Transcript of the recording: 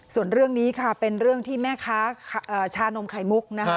ส่วนเรื่องนี้ค่ะเป็นเรื่องที่แม่ค้าชานมไข่มุกนะคะ